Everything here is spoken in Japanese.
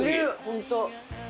ホント。